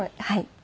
はい。